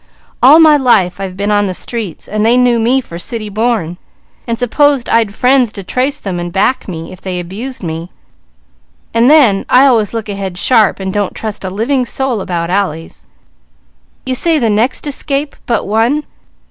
"All my life I've been on the streets so they knew me for city born, and supposed I'd friends to trace them and back me if they abused me; and then, I always look ahead sharp, and don't trust a living soul about alleys. You say the next escape but one?